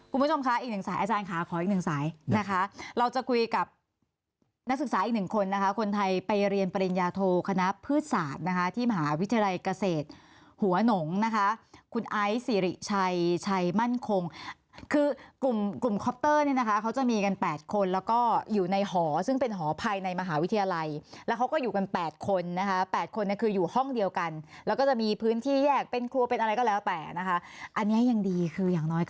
คุณผู้ชมค่ะอีกหนึ่งสายอาจารย์ค่ะขออีกหนึ่งสายนะคะเราจะคุยกับนักศึกษาอีกหนึ่งคนนะคะคนไทยไปเรียนปริญญาโทคณะพืชศาสตร์นะคะที่มหาวิทยาลัยเกษตรหัวหนงนะคะคุณไอซ์สิริชัยชัยมั่นคงคือกลุ่มคอปเตอร์เนี่ยนะคะเขาจะมีกัน๘คนแล้วก็อยู่ในหอซึ่งเป็นหอภัยในมหาวิทยาลัยแล้วเขาก็อยู่ก